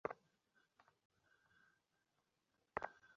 আরব্য উপন্যাসই বটে।